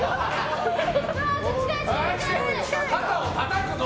肩をたたくの！